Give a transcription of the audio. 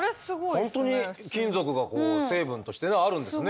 本当に金属がこう成分としてあるんですね。